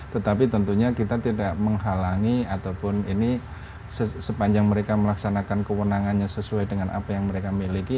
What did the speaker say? tetapi tentunya kita tidak menghalangi ataupun ini sepanjang mereka melaksanakan kewenangannya sesuai dengan apa yang mereka miliki